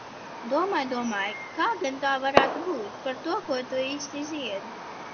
Domāju, domāju, kā gan tur varētu būt, par ko tur īsti dzied.